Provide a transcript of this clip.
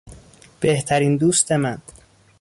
بهترین دوست من